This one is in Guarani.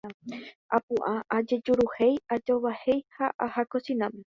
apu'ã ajejuruhéi, ajovahéi ha aha kosináme